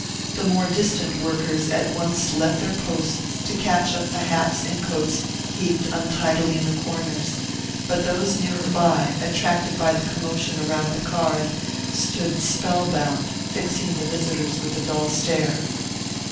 The more distant workers at once left their posts to catch up the hats and coats heaped untidily in the corners; but those nearer by, attracted by the commotion around the card, stood spell bound, fixing the visitors with a dull stare.